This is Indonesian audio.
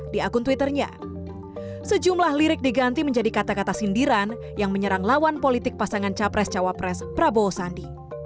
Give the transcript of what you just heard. di akun twitternya sejumlah lirik diganti menjadi kata kata sindiran yang menyerang lawan politik pasangan capres cawapres prabowo sandi